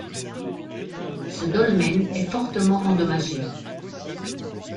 Ce dolmen est fortement endommagé.